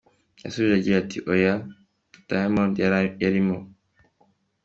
yasubije agira ati, Oya, Daimond yarimo.